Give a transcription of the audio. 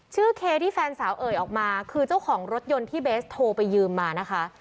เคที่แฟนสาวเอ่ยออกมาคือเจ้าของรถยนต์ที่เบสโทรไปยืมมานะคะ